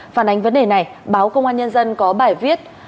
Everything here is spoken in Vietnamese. phản ánh vấn đề này báo công an nhân dân có bài viết